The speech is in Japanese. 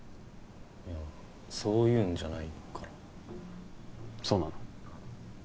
いやそういうんじゃないからそうなの？